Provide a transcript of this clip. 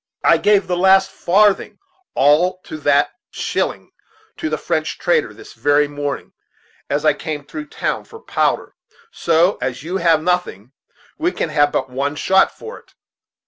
I gave the last farthing, all to that shilling, to the French trader, this very morning, as I came through the town, for powder; so, as you have nothing, we can have but one shot for it.